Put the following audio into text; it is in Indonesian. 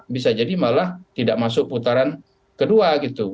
bisa jadi malah tidak masuk putaran kedua gitu